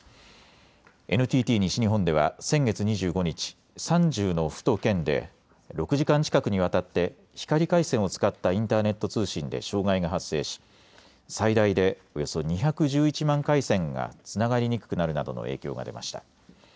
ＮＴＴ西日本では先月２５日、３０の府と県で６時間近くにわたって光回線を使ったインターネット通信で障害が発生し最大でおよそ２１１万回線がつながりにくくなるなどの影響が出ました。